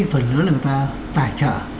phần giữa là người ta tài trợ